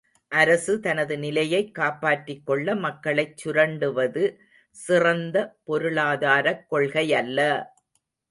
அரசு தனது நிலையைக் காப்பாற்றிக் கொள்ள மக்களைச் சுரண்டுவது சிறந்த பொருளாதாரக் கொள்கையல்ல!